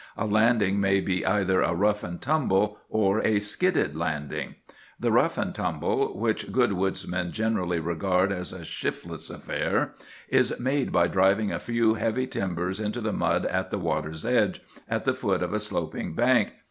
A landing may be either a 'rough and tumble' or a 'skidded' landing. "The 'rough and tumble,' which good woodsmen generally regard as a shiftless affair, is made by driving a few heavy timbers into the mud at the water's edge, at the foot of a sloping bank.